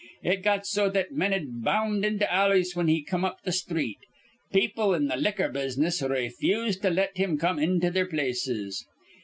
It got so that men'd bound into alleys whin he come up th' sthreet. People in th' liquor business rayfused to let him come into their places.